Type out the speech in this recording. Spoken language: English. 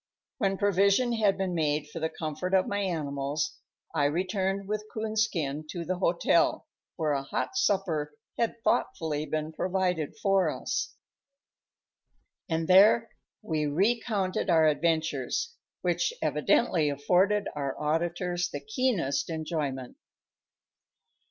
When provision had been made for the comfort of my animals, I returned with Coonskin to the hotel, where a hot supper had thoughtfully been provided for us. And there we recounted our adventures, which evidently afforded our auditors the keenest enjoyment.